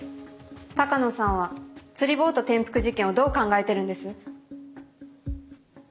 鷹野さんは釣りボート転覆事件をどう考えてるんです？